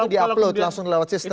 itu langsung di upload lewat sistem